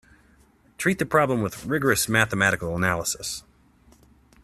Treat the problem with rigorous mathematical analysis.